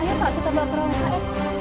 ayo pak aku tambah perangkat